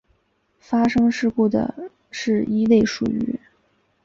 发生事故的是一列属于。